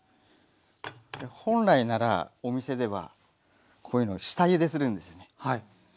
本来ならお店ではこういうの下ゆでするんですよね。